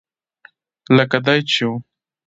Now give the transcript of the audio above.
لکه دای چې و.